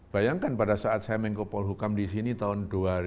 bayangkan pada saat saya mengko pol hukum di sini tahun dua ribu